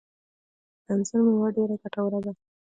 د انځر مېوه ډیره ګټوره ده